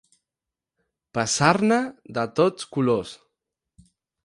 Passar-ne de tots colors.